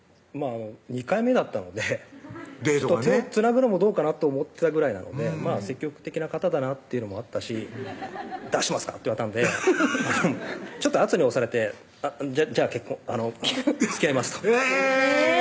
２回目だったので手をつなぐのもどうかなと思ってたぐらいなので積極的な方だなっていうのもあったし「どうしますか⁉」って言われたんでちょっと圧に押されて「じゃあつきあいます」とえぇ！